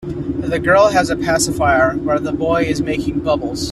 The girl has a passifier while the boy is making bubbles